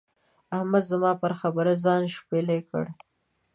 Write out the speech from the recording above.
احمد زما پر خبره ځان شپېلی کړ.